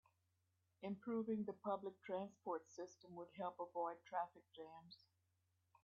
Improving the public transport system would help avoid traffic jams.